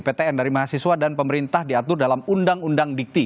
ptn dari mahasiswa dan pemerintah diatur dalam undang undang dikti